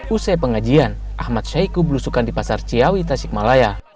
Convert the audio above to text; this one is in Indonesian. usai pengajian ahmad syaiqo berusukan di pasar ciawi tasikmalaya